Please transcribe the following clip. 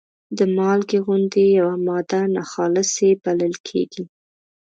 د مالګې غوندې یوه ماده ناخالصې بلل کیږي.